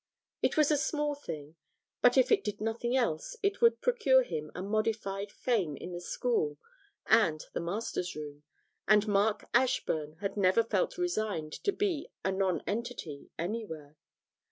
It was a small thing; but if it did nothing else it would procure him a modified fame in the school and the masters' room, and Mark Ashburn had never felt resigned to be a nonentity anywhere.